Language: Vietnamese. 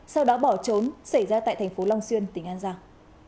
sau đó bỏ trốn xảy ra tại thành phố long xuyên tỉnh an giang